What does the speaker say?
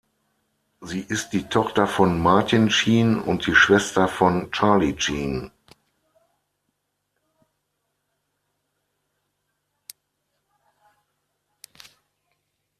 Sie ist die Tochter von Martin Sheen und die Schwester von Charlie Sheen.